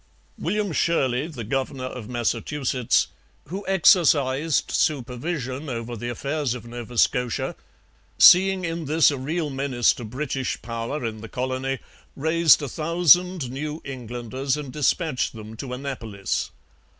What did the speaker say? William Shirley, the governor of Massachusetts, who exercised supervision over the affairs of Nova Scotia, seeing in this a real menace to British power in the colony, raised a thousand New Englanders and dispatched them to Annapolis.